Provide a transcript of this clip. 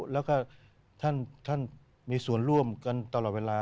แล้วก็ท่านมีส่วนร่วมกันตลอดเวลา